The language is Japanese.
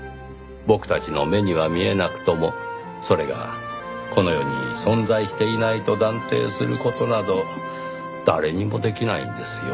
僕たちの目には見えなくともそれがこの世に存在していないと断定する事など誰にもできないんですよ。